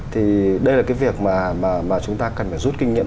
thì đây là cái việc mà chúng ta cần phải rút kinh nghiệm